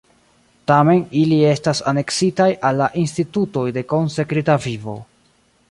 Tamen ili estas aneksitaj al la institutoj de konsekrita vivo.